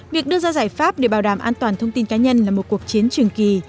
việc đưa ra giải pháp để bảo đảm an toàn thông tin cá nhân là một cuộc chiến trường kỳ